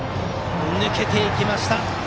抜けていきました。